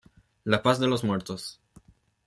La paz de los muertos.